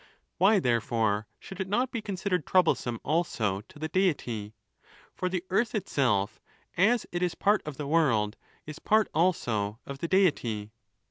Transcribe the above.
Why, therefore, should it not be considered troublesome also to the Deity? For the earth itself, as it is part of the world, is part also of the Deity.